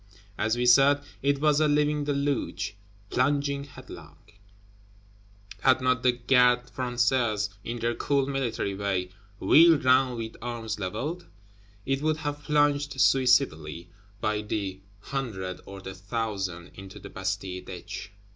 As we said, it was a living deluge, plunging headlong; had not the Gardes Françaises, in their cool military way, "wheeled round with arms leveled," it would have plunged suicidally, by the hundred or the thousand, into the Bastille ditch.